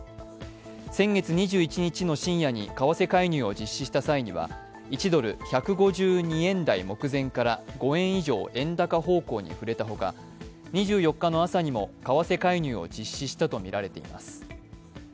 先月２１日の深夜に為替介入を実施した際には、１ドル＝１５２円台目前から５円以上円高方向に振れたほか２４日の朝にも為替介入を実施したとみられています。